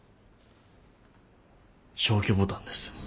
消去ボタンです。